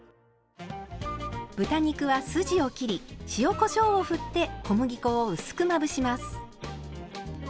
豚肉は筋を切り塩こしょうを振って小麦粉を薄くまぶします。